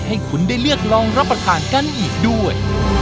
ให้คุณได้เลือกลองรับประทานกันอีกด้วย